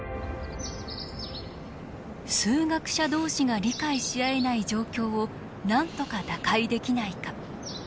数学者同士が理解し合えない状況をなんとか打開できないか。